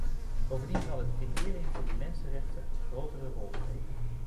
Bovendien zal het criterium van de mensenrechten een grotere rol spelen.